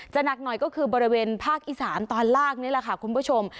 หนักหน่อยก็คือบริเวณภาคอีสานตอนล่างนี่แหละค่ะคุณผู้ชม